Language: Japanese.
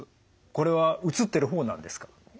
これは写ってる方なんですか？